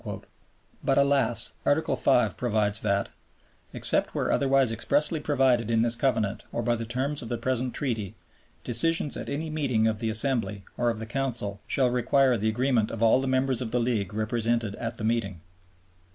But alas! Article V. provides that "Except where otherwise expressly provided in this Covenant or by the terms of the present Treaty, decisions at any meeting of the Assembly or of the Council shall require the agreement of all the Members of the League represented at the meeting."